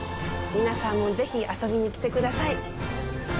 皆さんも、ぜひ遊びに来てください。